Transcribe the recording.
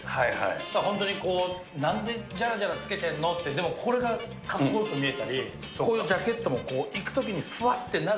だから本当になんで、じゃらじゃらつけてんの？って、でもこれがかっこよく見えたり、こういうジャケットも、これも含めて。